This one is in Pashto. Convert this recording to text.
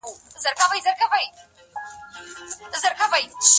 مچۍ د عسلو لپاره پر ګلانو البوځي.